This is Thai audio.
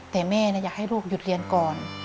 แต่แม่อยากให้ลูกหยุดเรียนก่อน